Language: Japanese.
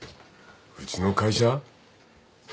うちの会社？